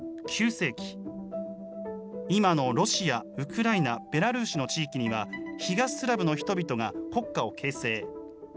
９世紀、今のロシア、ウクライナ、ベラルーシの地域には、東スラブの人々が国家を形成。